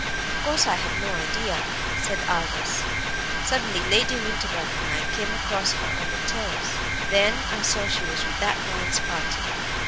"Of course, I had no idea," said Aldous; "suddenly Lady Winterbourne and I came across her on the terrace. Then I saw she was with that man's party.